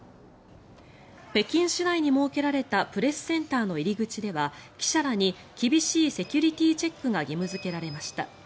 北京市内に設けられたプレスセンターの入り口では記者らに厳しいセキュリティーチェックが義務付けられました。